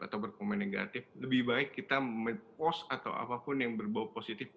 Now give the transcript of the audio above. atau berkomen negatif lebih baik kita mempost atau apapun yang berbau positif